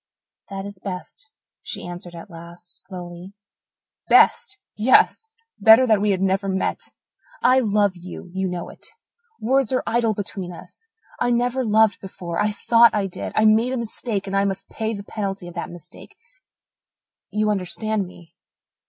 "That is best," she answered at last, slowly. "Best yes! Better that we had never met! I love you you know it words are idle between us. I never loved before I thought I did. I made a mistake and I must pay the penalty of that mistake. You understand me?"